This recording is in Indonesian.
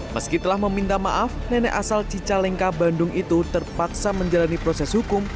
meski telah meminta maaf nenek asal cicalengka bandung itu terpaksa menjalani proses hukum